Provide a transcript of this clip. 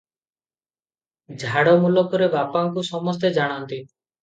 ଝାଡ଼ ମୁଲକରେ ବାପାଙ୍କୁ ସମସ୍ତେ ଜାଣନ୍ତି ।